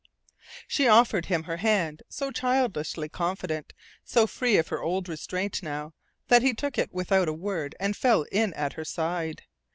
She offered him her hand, so childishly confident, so free of her old restraint now, that he took it without a word and fell in at her side.